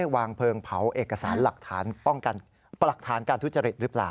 วางเพลิงเผาเอกสารหลักฐานการทุจริตรึเปล่า